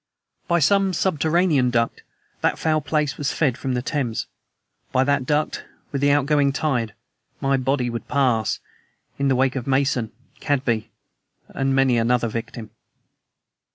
By some subterranean duct the foul place was fed from the Thames. By that duct, with the outgoing tide, my body would pass, in the wake of Mason, Cadby, and many another victim!